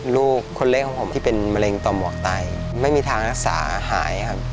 ลูกคนเล็กของผมที่เป็นมะเร็งต่อหมวกไตไม่มีทางรักษาหายครับ